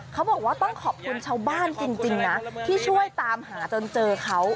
เขาบอกว่าต้องขอบคุณชาวบ้านจริงนะที่ช่วยตามหาจนเจอเขา